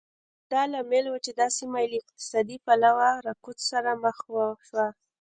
همدا لامل و چې دا سیمه له اقتصادي پلوه رکود سره مخ شوه.